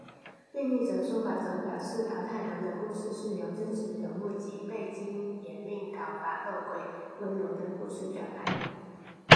另一则说法则表示桃太郎的故事是由真实人物吉备津彦命讨伐恶鬼温罗的故事转变而来。